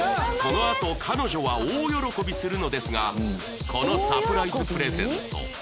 このあと彼女は大喜びするのですがこのサプライズプレゼント